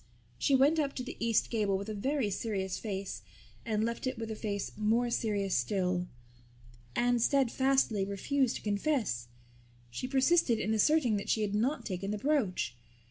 She went up to the east gable with a very serious face and left it with a face more serious still. Anne steadfastly refused to confess. She persisted in asserting that she had not taken the brooch.